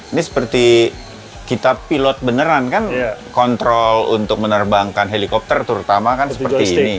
ini seperti kita pilot beneran kan kontrol untuk menerbangkan helikopter terutama kan seperti ini